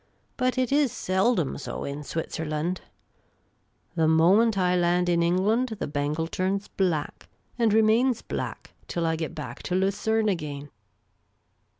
" But it is seldom so in Switzerland. The moment I land in Eng land the bangle turns black and remains black till I get back to Lucerne again."